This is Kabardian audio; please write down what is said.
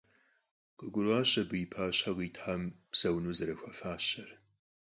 КъыгурыӀуащ абы и пащхьэ къитхэм псэуну зэрахуэфащэр.